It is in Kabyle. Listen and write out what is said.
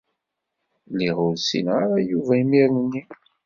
Lliɣ ur ssineɣ ara Yuba imir-nni.